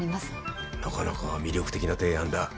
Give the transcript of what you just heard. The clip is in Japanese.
なかなか魅力的な提案だ。